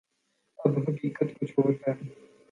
اب حقیقت کچھ اور ہے۔